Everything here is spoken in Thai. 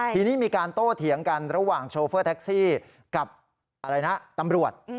ทีนี้มีการโต้เถียงกันระหว่างโชเฟอร์แท็กซี่กับอะไรนะตำรวจ